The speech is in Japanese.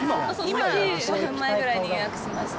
今、５分ぐらい前に予約しました。